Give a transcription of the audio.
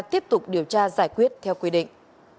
tiếp tục điều tra giải quyết theo quy định